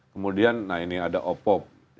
kemudian nah ini ada opop